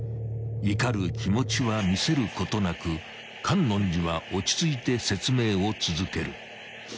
［怒る気持ちは見せることなく觀音寺は落ち着いて説明を続ける］